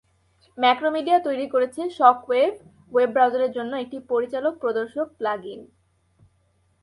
Macromedia তৈরি করেছে shockwave, web ব্রাউজারের জন্য একটি পরিচালক-প্রদর্শক প্লাগইন।